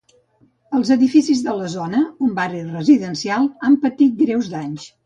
Els edificis de la zona, un barri residencial, han patit greus danys.